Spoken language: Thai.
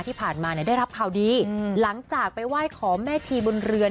ที่ผ่านมาเนี่ยได้รับข่าวดีหลังจากไปไหว้ขอแม่ชีบุญเรือน